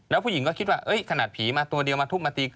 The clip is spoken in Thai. แล้วผู้หญิงก็คิดว่าขนาดผีมาตัวเดียวมาทุบมาตี